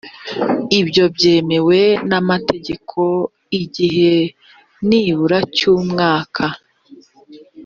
ibyo byemewe n’amategeko igihe nibura cy’umwaka